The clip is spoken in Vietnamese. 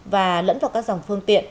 và lẫn vào các dòng phương tiện